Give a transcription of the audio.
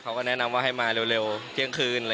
เขาก็แนะนำว่าให้มาเร็วเที่ยงคืน